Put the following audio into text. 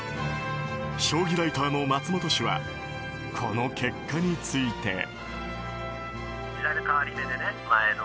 将棋ライターの松本氏はこの結果について。